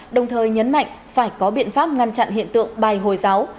đồng thời nhấn mạnh phải có biện pháp ngăn chặn hiện tượng bài hồi giáo